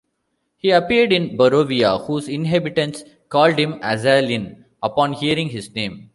He appeared in Barovia, whose inhabitants called him "Azalin" upon hearing his name.